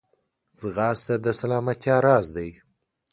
ځغاسته د سلامتیا راز دی